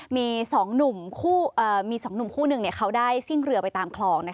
มี๒หนุ่มคู่หนึ่งเขาได้ซิ่งเรือไปตามคลอง